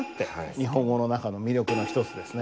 日本語の中の魅力の一つですね。